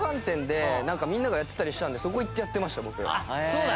そうだ。